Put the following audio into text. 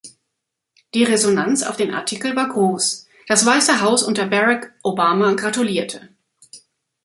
Die Resonanz auf den Artikel war groß, das Weiße Haus unter Barack Obama gratulierte.